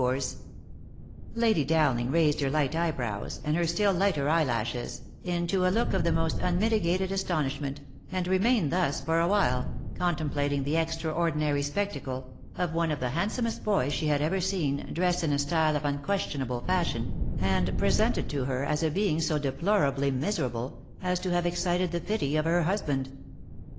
58 THE LIFE AND ADVENTURES Lady Dowling raised her light eyebrows, and her still lighter eyelashes, into a look of the most unmitigated astonishment, and remained thus for a while, contemplating the extraordinary spec tacle, of one of the handsomest boys she had ever seen, dressed in a style of unquestionable fashion, and presented to her as a being so deplorably miserable, as to have excited the pity of her hus band.